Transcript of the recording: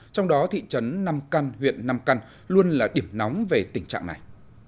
trong đó thị trấn nam căn huyện nam căn luôn là điểm nóng về tình trạng này